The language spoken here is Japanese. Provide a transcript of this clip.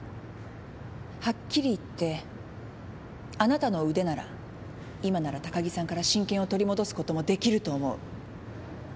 はっきりいってあなたの腕なら今なら高木さんから親権を取り戻すこともできると思う。